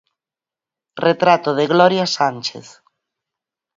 Retrato de Gloria Sánchez.